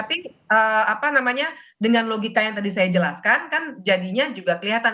tapi apa namanya dengan logika yang tadi saya jelaskan kan jadinya juga kelihatan